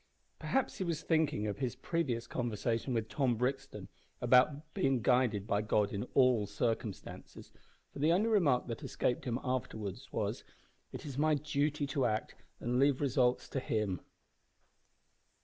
Perhaps he was thinking of his previous conversation with Tom Brixton about being guided by God in all circumstances, for the only remark that escaped him afterwards was, "It is my duty to act and leave results to Him."